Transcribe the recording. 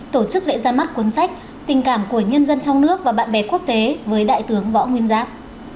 tổ chức lễ ra mắt cuốn sách tình cảm của nhân dân trong nước và bạn bè quốc tế với đại tướng võ nguyên giáp